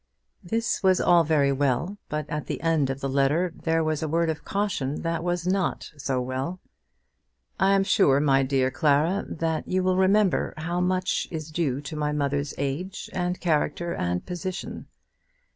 This was all very well, but at the end of the letter there was a word of caution that was not so well. "I am sure, my dear Clara, that you will remember how much is due to my mother's age, and character, and position.